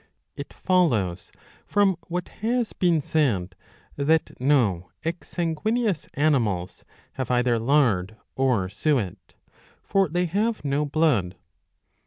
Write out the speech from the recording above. ^ It follows from what has been said that no ex sanguineous animals have either lard or suet ; for they have no blood.